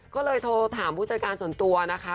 ก็เลยโทรถามผู้จัดการส่วนตัวนะคะ